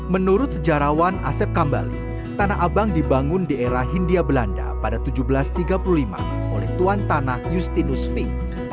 menurut sejarawan asep kambali tanah abang dibangun di era hindia belanda pada seribu tujuh ratus tiga puluh lima oleh tuan tanah justinus fins